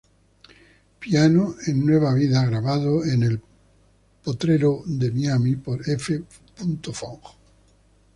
Piano en Nueva vida grabado en El Potrero Miami, por F. Fong.